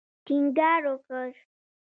ټینګار وکړ.